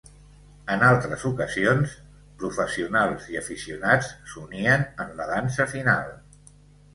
En altres ocasions, professionals i aficionats s'unien en la dansa final.